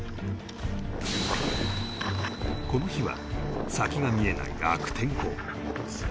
この日は先が見えない悪天候